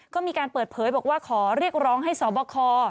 ก็มีการเปิดเผยบอกว่าขอเรียกร้องให้สบค